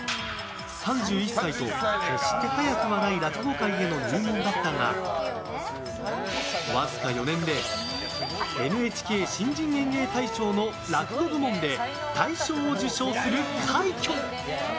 ３１歳と決して早くはない落語界への入門だったがわずか４年でＮＨＫ新人演芸大賞の落語部門で大賞を受賞する快挙！